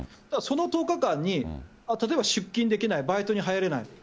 だからその１０日間に、例えば出勤できない、バイトに入れない。